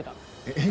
えっ？